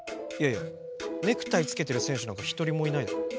いやいやネクタイつけてる選手なんかひとりもいないぞ。